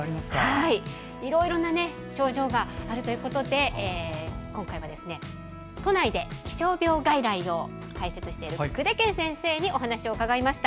いろいろ症状があるということで今回は、都内で気象病外来を開設している久手堅先生にお話を伺いました。